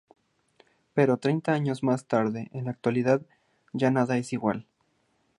Pero, treinta años más tarde, en la actualidad, ya nada es igual.